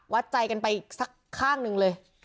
วัดใจกันไปสักข้างหนึ่งเลย